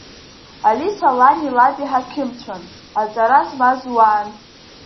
Алиса лани лаби ҳақьымцәан, аҵара змаз уаан.